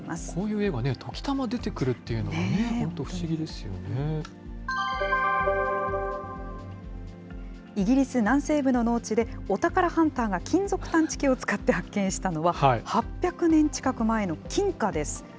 こういう絵はね、時たま出てくるっていうのは本当、不思議でイギリス南西部の農地で、お宝ハンターが金属探知機を使って発見したのは、８００年近く前の金貨です。